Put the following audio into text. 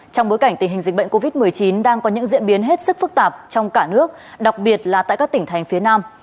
trong bối cảnh tình hình dịch bệnh covid một mươi chín đang có những diễn biến hết sức phức tạp trong cả nước đặc biệt là tại các tỉnh thành phía nam